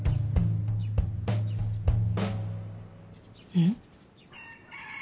うん？